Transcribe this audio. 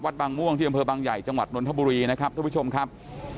บางม่วงที่อำเภอบางใหญ่จังหวัดนนทบุรีนะครับทุกผู้ชมครับ